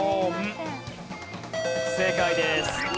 正解です。